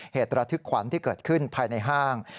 เหตุระทึกขวัญที่เกิดขึ้นภายในห้าง